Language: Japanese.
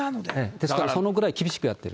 ですから、そのくらい厳しくやってる。